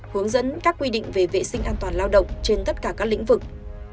hướng dẫn các quy định về vệ sinh an toàn lao động trên tất cả các lĩnh vực